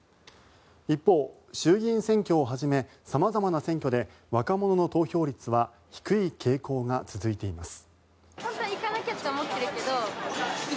一方、衆議院選挙をはじめ様々な選挙で若者の投票率は低い傾向が続いています。